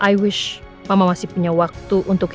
i wish mama masih punya waktu untuk